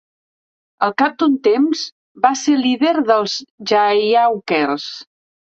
Al cap d'un temps, va ser líder dels Jayhawkers.